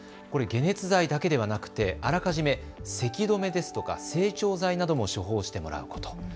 これ、解熱剤だけではなくてあらかじめせき止めですとか整腸剤なども処方してもらうこと。